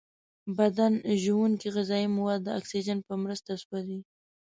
بدن ژونکې غذایي مواد د اکسیجن په مرسته سوځوي.